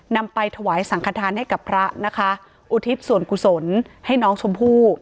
นำไปถวายสังขทานให้กับพระนะคะอุทิศส่วนกุศลให้น้องชมพู่